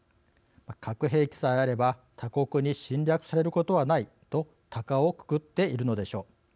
核兵器さえあれば他国に侵略されることはないとたかをくくっているのでしょう。